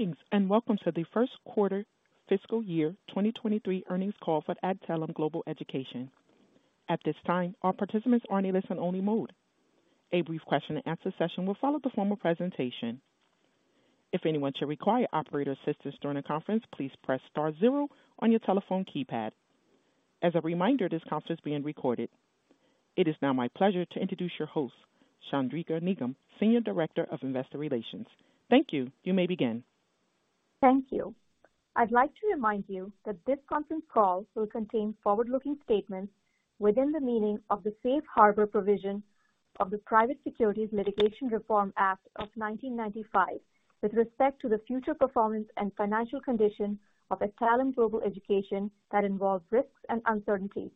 Greetings, and welcome to the first quarter fiscal year 2023 earnings call for Adtalem Global Education. At this time, all participants are in a listen-only mode. A brief question and answer session will follow the formal presentation. If anyone should require operator assistance during the conference, please press star zero on your telephone keypad. As a reminder, this conference is being recorded. It is now my pleasure to introduce your host, Chandrika Nigam, Senior Director of Investor Relations. Thank you. You may begin. Thank you. I'd like to remind you that this conference call will contain forward-looking statements within the meaning of the Safe Harbor provision of the Private Securities Litigation Reform Act of 1995 with respect to the future performance and financial condition of Adtalem Global Education that involve risks and uncertainties.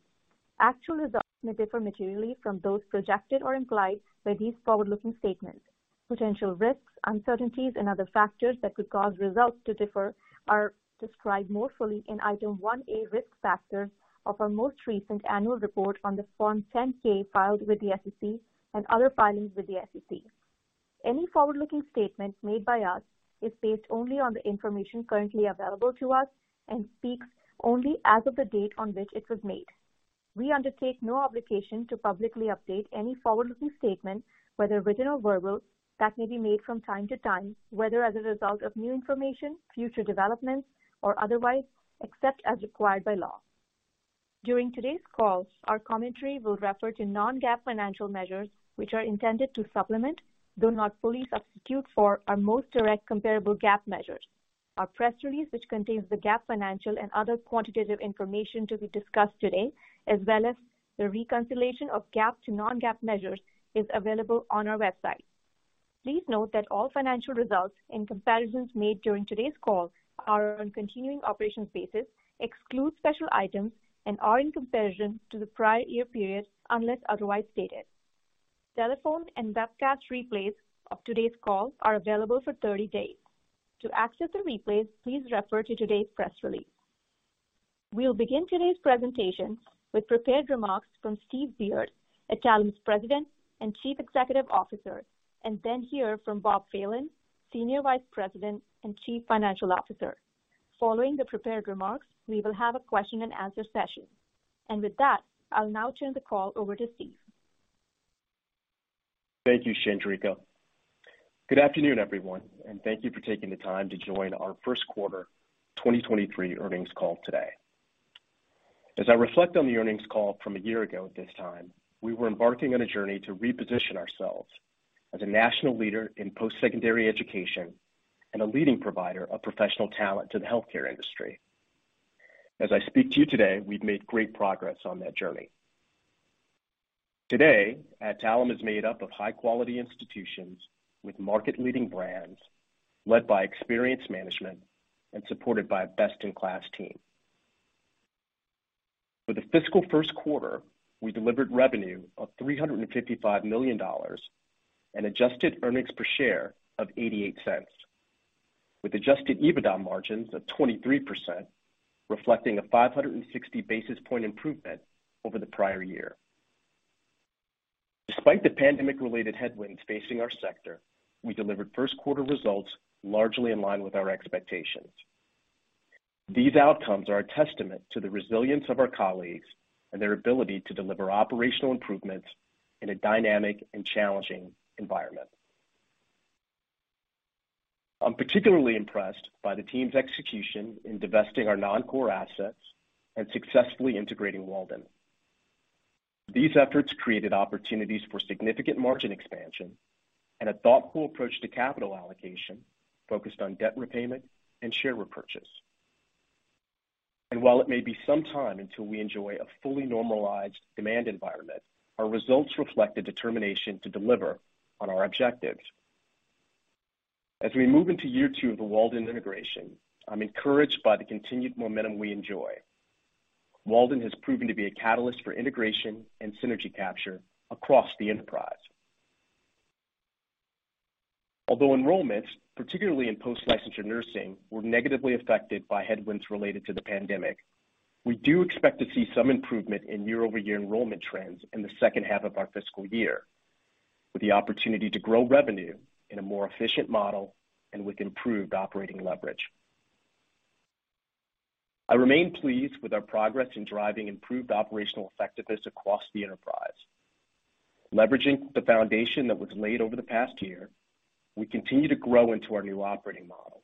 Actual results may differ materially from those projected or implied by these forward-looking statements. Potential risks, uncertainties, and other factors that could cause results to differ are described more fully in Item 1A, Risk Factors, of our most recent annual report on the Form 10-K filed with the SEC and other filings with the SEC. Any forward-looking statement made by us is based only on the information currently available to us and speaks only as of the date on which it was made. We undertake no obligation to publicly update any forward-looking statement, whether written or verbal, that may be made from time to time, whether as a result of new information, future developments, or otherwise, except as required by law. During today's call, our commentary will refer to non-GAAP financial measures, which are intended to supplement, though not fully substitute for, our most direct comparable GAAP measures. Our press release, which contains the GAAP financial and other quantitative information to be discussed today, as well as the reconciliation of GAAP to non-GAAP measures, is available on our website. Please note that all financial results and comparisons made during today's call are on continuing operations basis, exclude special items, and are in comparison to the prior year period, unless otherwise stated. Telephone and webcast replays of today's call are available for 30 days. To access the replays, please refer to today's press release. We'll begin today's presentation with prepared remarks from Steve Beard, Adtalem's President and Chief Executive Officer, and then hear from Bob Phelan, Senior Vice President and Chief Financial Officer. Following the prepared remarks, we will have a question and answer session. With that, I'll now turn the call over to Steve. Thank you, Chandrika. Good afternoon, everyone, and thank you for taking the time to join our first quarter 2023 earnings call today. As I reflect on the earnings call from a year ago at this time, we were embarking on a journey to reposition ourselves as a national leader in post-secondary education and a leading provider of professional talent to the healthcare industry. As I speak to you today, we've made great progress on that journey. Today, Adtalem is made up of high-quality institutions with market leading brands led by experienced management and supported by a best-in-class team. For the fiscal first quarter, we delivered revenue of $355 million and adjusted earnings per share of $0.88, with adjusted EBITDA margins of 23%, reflecting a 560 basis point improvement over the prior year. Despite the pandemic-related headwinds facing our sector, we delivered first quarter results largely in line with our expectations. These outcomes are a testament to the resilience of our colleagues and their ability to deliver operational improvements in a dynamic and challenging environment. I'm particularly impressed by the team's execution in divesting our non-core assets and successfully integrating Walden. These efforts created opportunities for significant margin expansion and a thoughtful approach to capital allocation focused on debt repayment and share repurchase. While it may be some time until we enjoy a fully normalized demand environment, our results reflect the determination to deliver on our objectives. As we move into year two of the Walden integration, I'm encouraged by the continued momentum we enjoy. Walden has proven to be a catalyst for integration and synergy capture across the enterprise. Although enrollments, particularly in post-licensure nursing, were negatively affected by headwinds related to the pandemic, we do expect to see some improvement in year-over-year enrollment trends in the second half of our fiscal year, with the opportunity to grow revenue in a more efficient model and with improved operating leverage. I remain pleased with our progress in driving improved operational effectiveness across the enterprise. Leveraging the foundation that was laid over the past year, we continue to grow into our new operating model,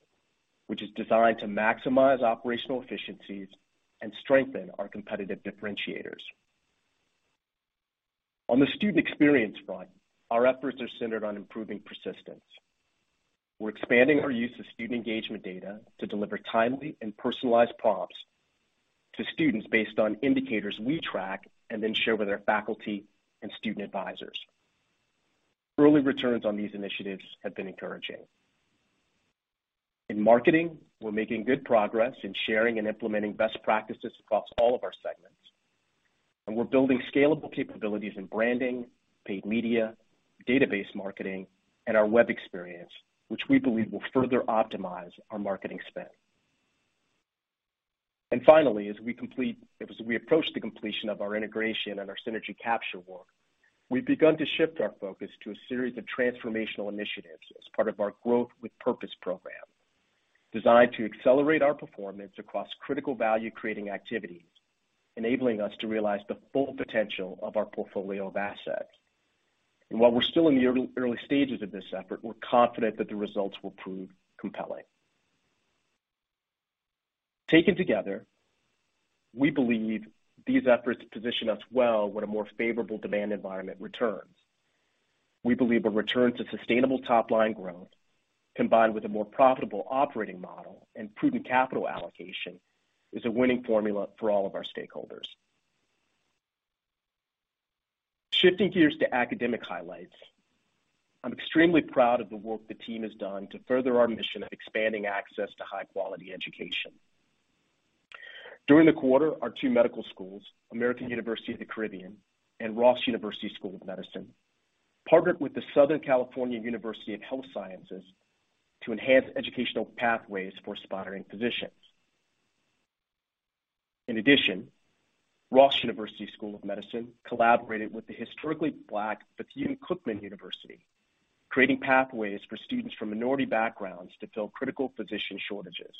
which is designed to maximize operational efficiencies and strengthen our competitive differentiators. On the student experience front, our efforts are centered on improving persistence. We're expanding our use of student engagement data to deliver timely and personalized prompts to students based on indicators we track and then share with their faculty and student advisors. Early returns on these initiatives have been encouraging. In marketing, we're making good progress in sharing and implementing best practices across all of our segments. We're building scalable capabilities in branding, paid media, database marketing, and our web experience, which we believe will further optimize our marketing spend. Finally, as we approach the completion of our integration and our synergy capture work, we've begun to shift our focus to a series of transformational initiatives as part of our Growth with Purpose program, designed to accelerate our performance across critical value-creating activities, enabling us to realize the full potential of our portfolio of assets. While we're still in the early stages of this effort, we're confident that the results will prove compelling. Taken together, we believe these efforts position us well when a more favorable demand environment returns. We believe a return to sustainable top-line growth, combined with a more profitable operating model and prudent capital allocation, is a winning formula for all of our stakeholders. Shifting gears to academic highlights. I'm extremely proud of the work the team has done to further our mission of expanding access to high-quality education. During the quarter, our two medical schools, American University of the Caribbean and Ross University School of Medicine, partnered with the Southern California University of Health Sciences to enhance educational pathways for aspiring physicians. In addition, Ross University School of Medicine collaborated with the historically black Bethune-Cookman University, creating pathways for students from minority backgrounds to fill critical physician shortages.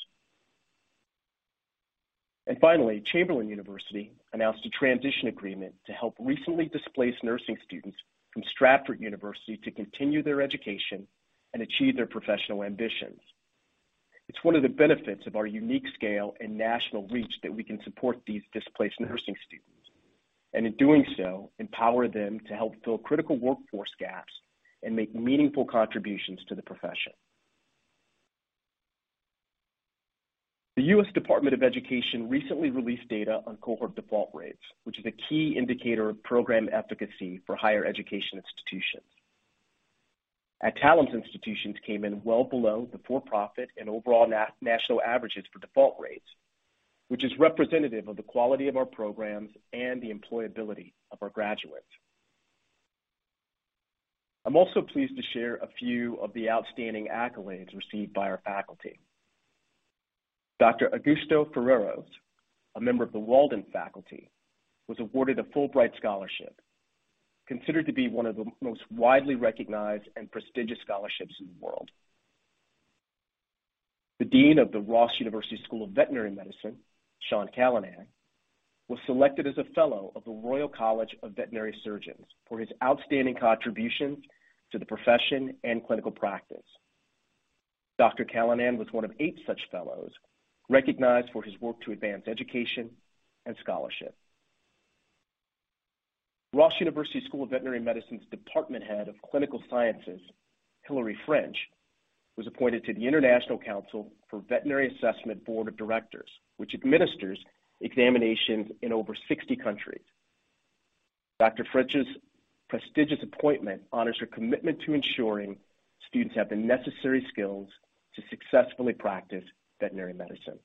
Finally, Chamberlain University announced a transition agreement to help recently displaced nursing students from Stratford University to continue their education and achieve their professional ambitions. It's one of the benefits of our unique scale and national reach that we can support these displaced nursing students, and in doing so, empower them to help fill critical workforce gaps and make meaningful contributions to the profession. The U.S. Department of Education recently released data on cohort default rates, which is a key indicator of program efficacy for higher education institutions. Adtalem's institutions came in well below the for-profit and overall national averages for default rates, which is representative of the quality of our programs and the employability of our graduates. I'm also pleased to share a few of the outstanding accolades received by our faculty. Dr. Augusto Ferreros, a member of the Walden faculty, was awarded a Fulbright Scholarship, considered to be one of the most widely recognized and prestigious scholarships in the world. The Dean of the Ross University School of Veterinary Medicine, Sean Callanan, was selected as a fellow of the Royal College of Veterinary Surgeons for his outstanding contribution to the profession and clinical practice. Dr. Callanan was one of eight such fellows recognized for his work to advance education and scholarship. Ross University School of Veterinary Medicine's Department Head of Clinical Sciences, Hilari French, was appointed to the International Council for Veterinary Assessment Board of Directors, which administers examinations in over 60 countries. Dr. French's prestigious appointment honors her commitment to ensuring students have the necessary skills to successfully practice veterinary medicine.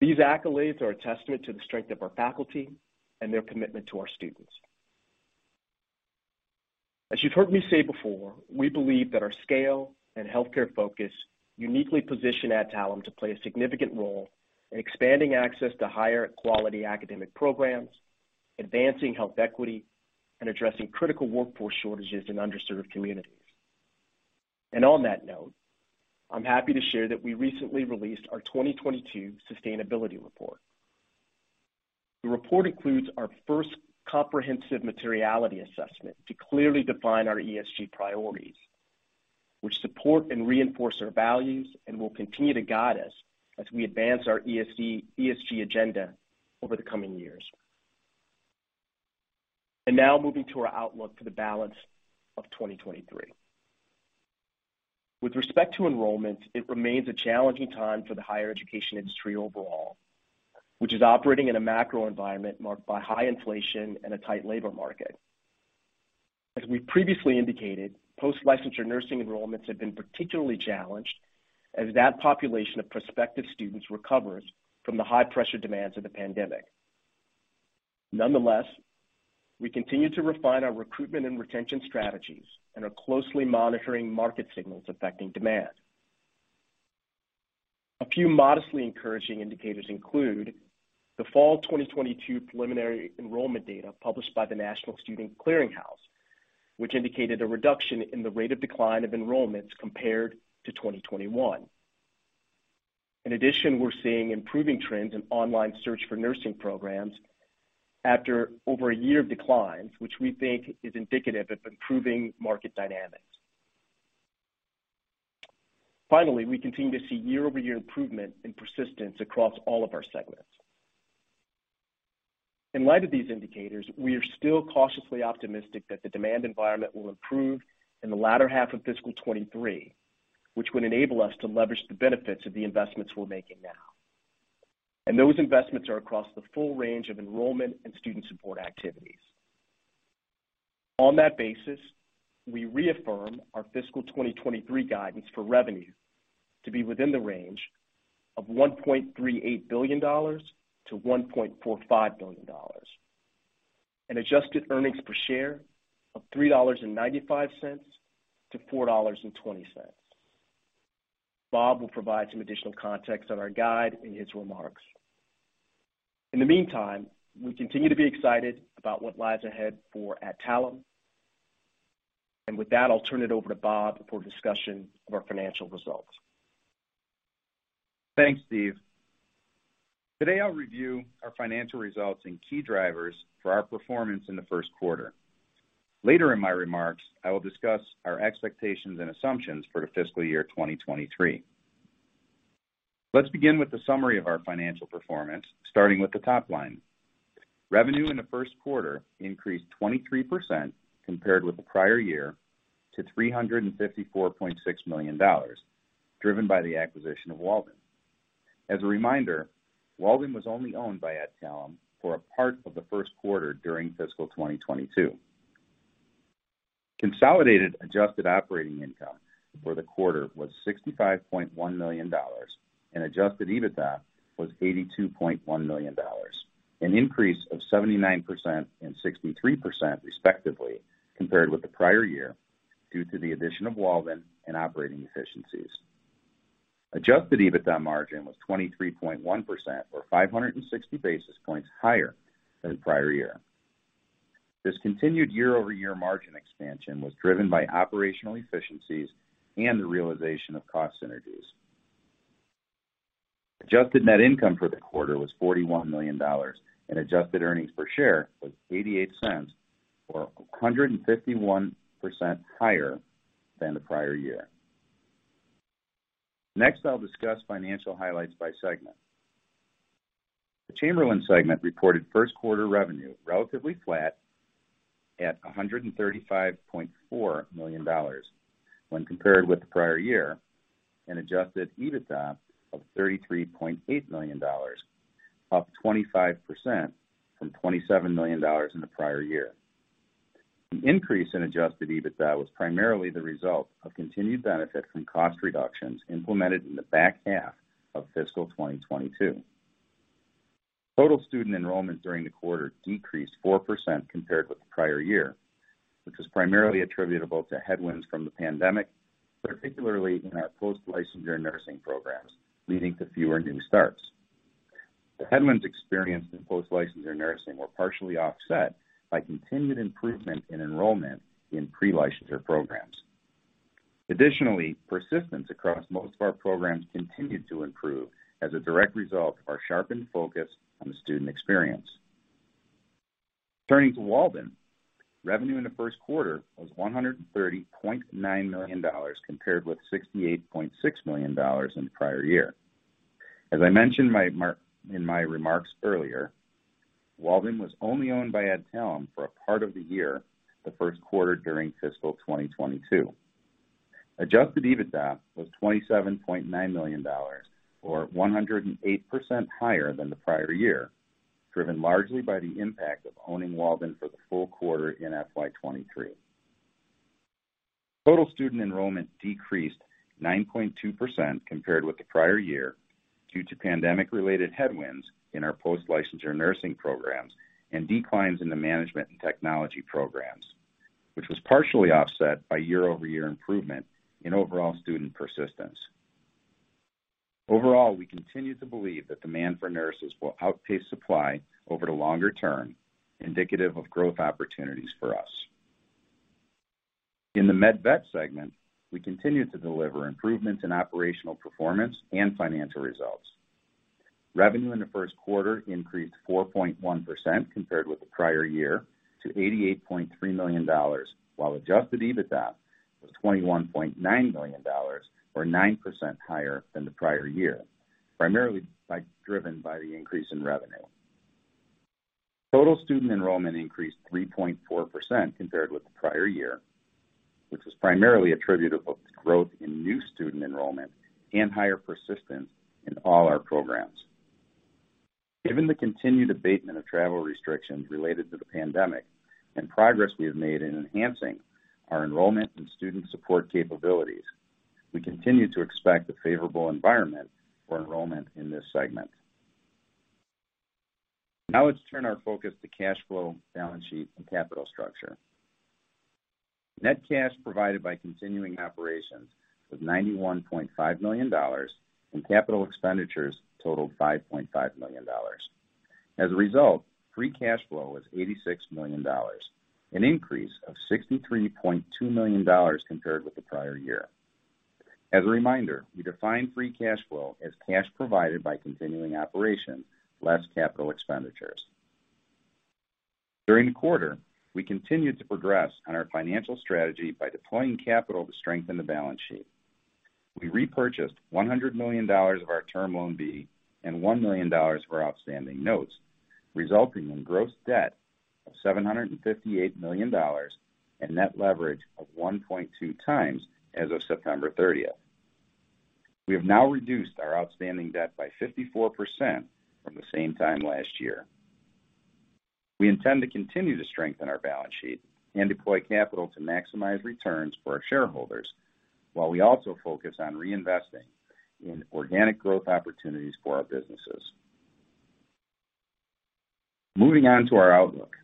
These accolades are a testament to the strength of our faculty and their commitment to our students. As you've heard me say before, we believe that our scale and healthcare focus uniquely position Adtalem to play a significant role in expanding access to higher quality academic programs, advancing health equity, and addressing critical workforce shortages in underserved communities. On that note, I'm happy to share that we recently released our 2022 sustainability report. The report includes our first comprehensive materiality assessment to clearly define our ESG priorities, which support and reinforce our values and will continue to guide us as we advance our ESG agenda over the coming years. Now moving to our outlook for the balance of 2023. With respect to enrollments, it remains a challenging time for the higher education industry overall, which is operating in a macro environment marked by high inflation and a tight labor market. As we previously indicated, post-licensure nursing enrollments have been particularly challenged as that population of prospective students recovers from the high-pressure demands of the pandemic. Nonetheless, we continue to refine our recruitment and retention strategies and are closely monitoring market signals affecting demand. A few modestly encouraging indicators include the fall 2022 preliminary enrollment data published by the National Student Clearinghouse, which indicated a reduction in the rate of decline of enrollments compared to 2021. In addition, we're seeing improving trends in online search for nursing programs after over a year of declines, which we think is indicative of improving market dynamics. Finally, we continue to see year-over-year improvement in persistence across all of our segments. In light of these indicators, we are still cautiously optimistic that the demand environment will improve in the latter half of fiscal 2023, which would enable us to leverage the benefits of the investments we're making now. Those investments are across the full range of enrollment and student support activities. On that basis, we reaffirm our fiscal 2023 guidance for revenue to be within the range of $1.38 billion-$1.45 billion. Adjusted earnings per share of $3.95-$4.20. Bob will provide some additional context on our guide in his remarks. In the meantime, we continue to be excited about what lies ahead for Adtalem. With that, I'll turn it over to Bob for a discussion of our financial results. Thanks, Steve. Today, I'll review our financial results and key drivers for our performance in the first quarter. Later in my remarks, I will discuss our expectations and assumptions for the fiscal year 2023. Let's begin with the summary of our financial performance, starting with the top line. Revenue in the first quarter increased 23% compared with the prior year to $354.6 million, driven by the acquisition of Walden. As a reminder, Walden was only owned by Adtalem for a part of the first quarter during fiscal 2022. Consolidated adjusted operating income for the quarter was $65.1 million, and adjusted EBITDA was $82.1 million, an increase of 79% and 63% respectively compared with the prior year due to the addition of Walden and operating efficiencies. Adjusted EBITDA margin was 23.1% or 560 basis points higher than the prior year. This continued year-over-year margin expansion was driven by operational efficiencies and the realization of cost synergies. Adjusted net income for the quarter was $41 million, and adjusted earnings per share was $0.88 or 151% higher than the prior year. Next, I'll discuss financial highlights by segment. The Chamberlain segment reported first quarter revenue relatively flat at $135.4 million when compared with the prior year, and adjusted EBITDA of $33.8 million, up 25% from $27 million in the prior year. The increase in adjusted EBITDA was primarily the result of continued benefit from cost reductions implemented in the back half of fiscal 2022. Total student enrollment during the quarter decreased 4% compared with the prior year, which was primarily attributable to headwinds from the pandemic, particularly in our post-licensure nursing programs, leading to fewer new starts. The headwinds experienced in post-licensure nursing were partially offset by continued improvement in enrollment in pre-licensure programs. Additionally, persistence across most of our programs continued to improve as a direct result of our sharpened focus on the student experience. Turning to Walden, revenue in the first quarter was $130.9 million compared with $68.6 million in the prior year. As I mentioned in my remarks earlier, Walden was only owned by Adtalem for a part of the year, the first quarter during fiscal 2022. Adjusted EBITDA was $27.9 million or 108% higher than the prior year, driven largely by the impact of owning Walden for the full quarter in FY 2023. Total student enrollment decreased 9.2% compared with the prior year due to pandemic-related headwinds in our post-licensure nursing programs and declines in the management and technology programs, which was partially offset by year-over-year improvement in overall student persistence. Overall, we continue to believe that demand for nurses will outpace supply over the longer term, indicative of growth opportunities for us. In the Med/Vet segment, we continue to deliver improvements in operational performance and financial results. Revenue in the first quarter increased 4.1% compared with the prior year to $88.3 million, while adjusted EBITDA was $21.9 million or 9% higher than the prior year, primarily driven by the increase in revenue. Total student enrollment increased 3.4% compared with the prior year, which was primarily attributable to growth in new student enrollment and higher persistence in all our programs. Given the continued abatement of travel restrictions related to the pandemic and progress we have made in enhancing our enrollment and student support capabilities, we continue to expect a favorable environment for enrollment in this segment. Now let's turn our focus to cash flow, balance sheet, and capital structure. Net cash provided by continuing operations was $91.5 million, and capital expenditures totaled $5.5 million. As a result, free cash flow was $86 million, an increase of $63.2 million compared with the prior year. As a reminder, we define free cash flow as cash provided by continuing operations less capital expenditures. During the quarter, we continued to progress on our financial strategy by deploying capital to strengthen the balance sheet. We repurchased $100 million of our term loan B and $1 million of our outstanding notes, resulting in gross debt of $758 million and net leverage of 1.2x as of September 30th. We have now reduced our outstanding debt by 54% from the same time last year. We intend to continue to strengthen our balance sheet and deploy capital to maximize returns for our shareholders. While we also focus on reinvesting in organic growth opportunities for our businesses. Moving on to our outlook.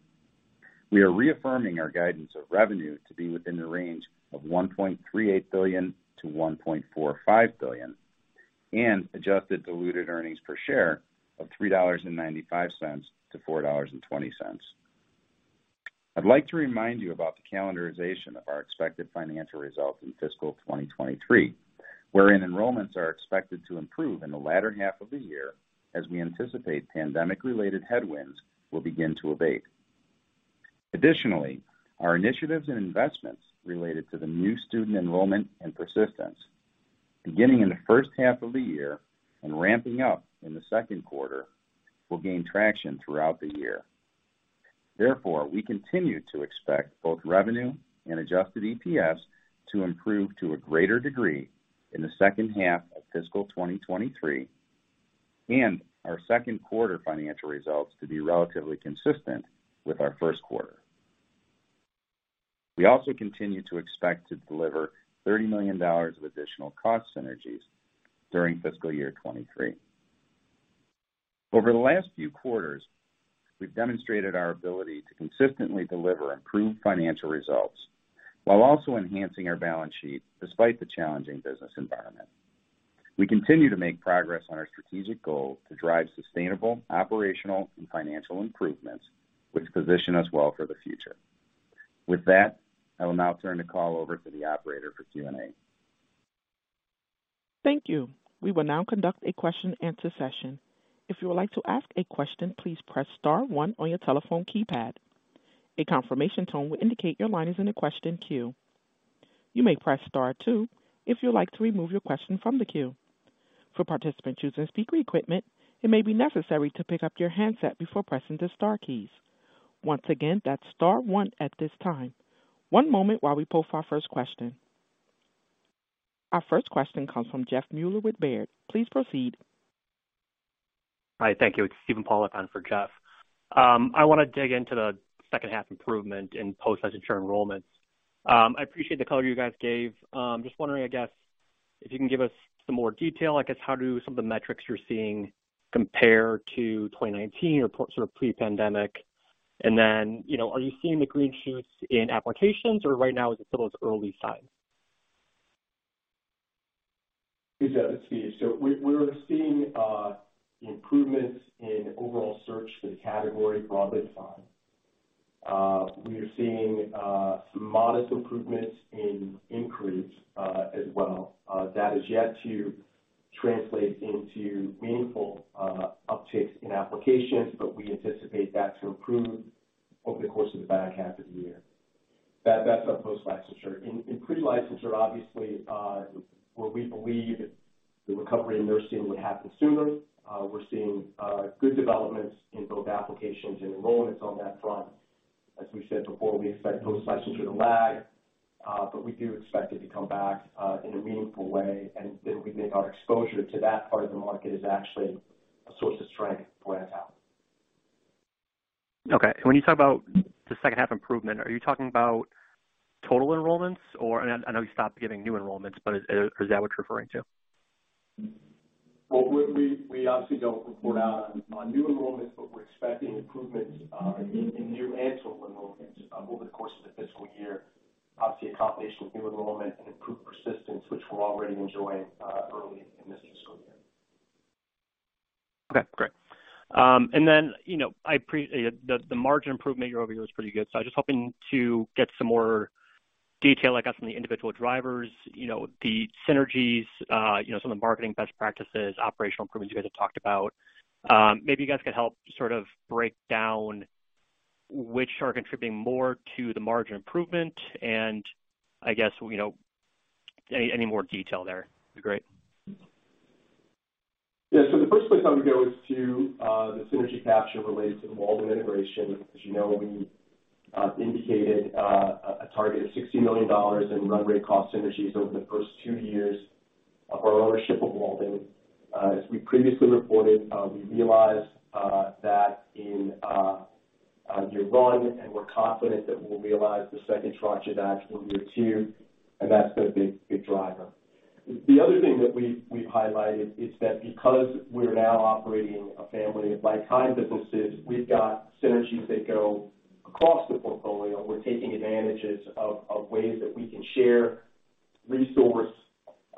We are reaffirming our guidance of revenue to be within the range of $1.38 billion-$1.45 billion, and adjusted diluted earnings per share of $3.95-$4.20. I'd like to remind you about the calendarization of our expected financial results in fiscal 2023, wherein enrollments are expected to improve in the latter half of the year as we anticipate pandemic-related headwinds will begin to abate. Additionally, our initiatives and investments related to the new student enrollment and persistence beginning in the first half of the year and ramping up in the second quarter will gain traction throughout the year. Therefore, we continue to expect both revenue and adjusted EPS to improve to a greater degree in the second half of fiscal 2023 and our second quarter financial results to be relatively consistent with our first quarter. We also continue to expect to deliver $30 million of additional cost synergies during fiscal year 2023. Over the last few quarters, we've demonstrated our ability to consistently deliver improved financial results while also enhancing our balance sheet despite the challenging business environment. We continue to make progress on our strategic goal to drive sustainable operational and financial improvements, which position us well for the future. With that, I will now turn the call over to the operator for Q&A. Thank you. We will now conduct a question-and-answer session. If you would like to ask a question, please press star one on your telephone keypad. A confirmation tone will indicate your line is in the question queue. You may press star two if you'd like to remove your question from the queue. For participant choose and speaker equipment, it may be necessary to pick up your handset before pressing the star keys. Once again, that's star one at this time. One moment while we pull for our first question. Our first question comes from Jeffrey Meuler with Baird. Please proceed. Hi. Thank you. It's Steven Pawlak on for Jeff. I wanna dig into the second half improvement in post-licensure enrollments. I appreciate the color you guys gave. Just wondering, I guess, if you can give us some more detail, I guess, how do some of the metrics you're seeing compare to 2019 or sort of pre-pandemic? You know, are you seeing the green shoots in applications or right now is it still as early signs? Yeah. We're seeing improvements in overall search for the category broadly defined. We are seeing some modest improvements in inquiries, as well. That is yet to translate into meaningful upticks in applications, but we anticipate that to improve over the course of the back half of the year. That's our post-licensure. In pre-licensure, obviously, where we believe the recovery in nursing would happen sooner. We're seeing good developments in both applications and enrollments on that front. As we said before, we expect post-licensure to lag, but we do expect it to come back in a meaningful way, and we think our exposure to that part of the market is actually a source of strength for Adtalem. Okay. When you talk about the second half improvement, are you talking about total enrollments? I know you stopped giving new enrollments, but is that what you're referring to? Well, we obviously don't report out on new enrollments, but we're expecting improvements in new and total enrollments over the course of the fiscal year. Obviously, a combination of new enrollment and improved persistence, which we're already enjoying early in this fiscal year. Okay, great. You know, the margin improvement year over year was pretty good. I was just hoping to get some more detail, I guess, on the individual drivers, you know, the synergies, you know, some of the marketing best practices, operational improvements you guys have talked about. Maybe you guys could help sort of break down which are contributing more to the margin improvement. I guess, you know, any more detail there would be great. Yeah. The first place I would go is to the synergy capture related to the Walden integration. As you know, we indicated a target of $60 million in run rate cost synergies over the first two years of our ownership of Walden. As we previously reported, we realized that in year one, and we're confident that we'll realize the second tranche of that in year two, and that's a big driver. The other thing that we've highlighted is that because we're now operating a family of like-kind businesses, we've got synergies that go across the portfolio. We're taking advantage of ways that we can share resources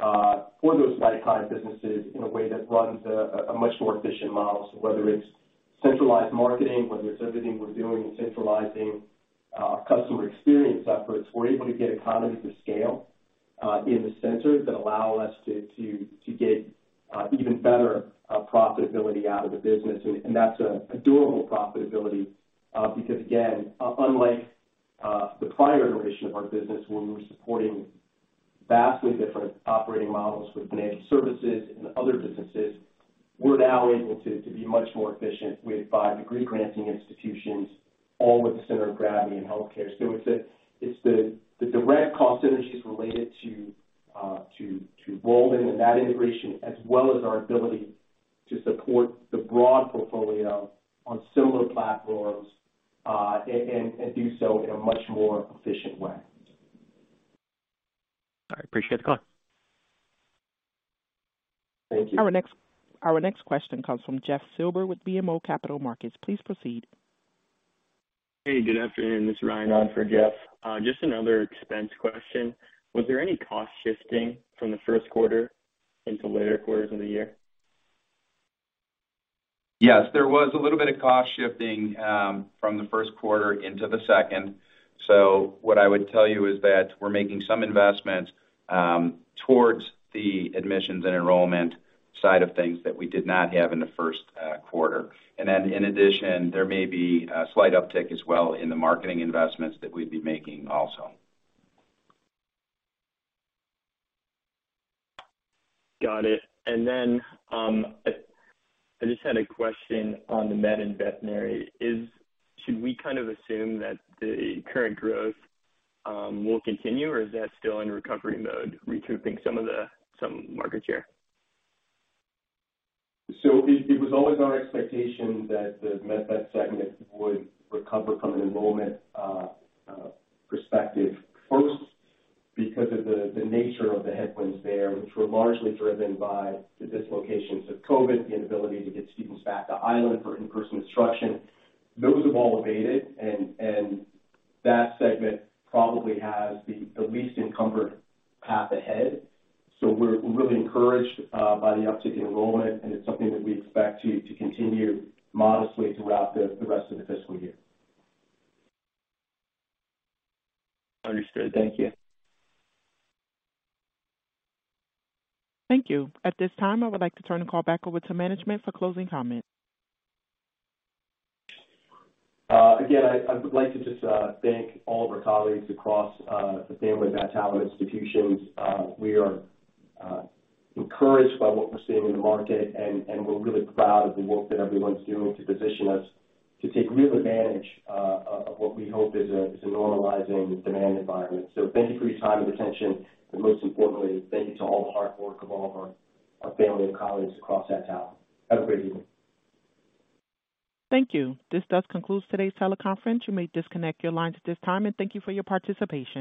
for those like-kind businesses in a way that runs a much more efficient model. Whether it's centralized marketing, whether it's everything we're doing in centralizing customer experience efforts, we're able to get economies of scale in the centers that allow us to get even better profitability out of the business. That's a durable profitability because again, unlike the prior iteration of our business when we were supporting vastly different operating models with financial services and other businesses, we're now able to be much more efficient with five degree granting institutions, all with the center of gravity in healthcare. It's the direct cost synergies related to Walden and that integration, as well as our ability to support the broad portfolio on similar platforms and do so in a much more efficient way. All right. Appreciate the call. Thank you. Our next question comes from Jeff Silber with BMO Capital Markets. Please proceed. Hey, good afternoon. This is Ryan on for Jeff. Just another expense question. Was there any cost shifting from the first quarter into later quarters of the year? Yes, there was a little bit of cost shifting from the first quarter into the second. What I would tell you is that we're making some investments towards the admissions and enrollment side of things that we did not have in the first quarter. In addition, there may be a slight uptick as well in the marketing investments that we'd be making also. Got it. I just had a question on the Med and Veterinary. Should we kind of assume that the current growth will continue, or is that still in recovery mode, recouping some of the market share? It was always our expectation that the Med-Vet segment would recover from an enrollment perspective first because of the nature of the headwinds there, which were largely driven by the dislocations of COVID, the inability to get students back to island for in-person instruction. Those have all abated. That segment probably has the least encumbered path ahead. We're really encouraged by the uptick in enrollment, and it's something that we expect to continue modestly throughout the rest of the fiscal year. Understood. Thank you. Thank you. At this time, I would like to turn the call back over to management for closing comments. Again, I would like to just thank all of our colleagues across the family of Adtalem institutions. We are encouraged by what we're seeing in the market, and we're really proud of the work that everyone's doing to position us to take real advantage of what we hope is a normalizing demand environment. Thank you for your time and attention. Most importantly, thank you to all the hard work of all of our family and colleagues across Adtalem. Have a great evening. Thank you. This does conclude today's teleconference. You may disconnect your lines at this time and thank you for your participation.